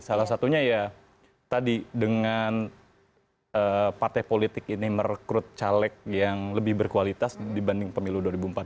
salah satunya ya tadi dengan partai politik ini merekrut caleg yang lebih berkualitas dibanding pemilu dua ribu empat belas